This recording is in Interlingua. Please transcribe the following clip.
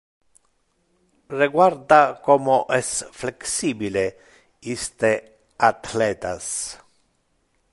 Reguarda como es flexibile iste athletas!